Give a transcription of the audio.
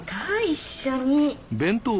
一緒に。